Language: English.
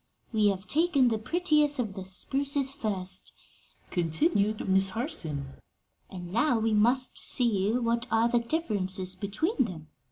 "We have taken the prettiest of the spruces first," continued Miss Harson, "and now we must see what are the differences between them.